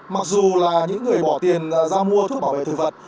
mặc dù là những người bỏ tiền ra mua thuốc bảo vệ thực vật